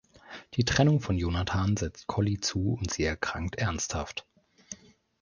Die Trennung von Jonathan setzt Collie zu und sie erkrankt ernsthaft.